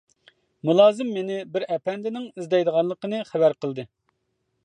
مۇلازىم مېنى بىر ئەپەندىنىڭ ئىزدەيدىغانلىقىنى خەۋەر قىلدى.